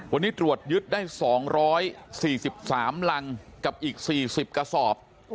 วันนี้ตรวจยึดได้๒๔๓รังกับอีก๔๐กระสอบ